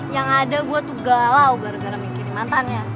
yang ada gue tuh galau gara gara mikirin mantannya